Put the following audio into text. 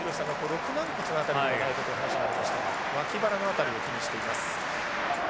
肋軟骨の辺りではないかという話が出ましたが脇腹の辺りを気にしています。